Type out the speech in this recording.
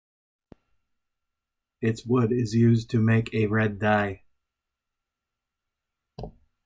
Its wood is used to make a red dye.